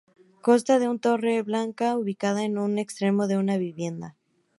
Consta de un torre blanca ubicada en un extremo de una vivienda.